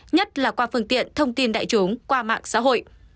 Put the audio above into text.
nhất là qua phương tiện thông tin đại chúng qua mạng xã hội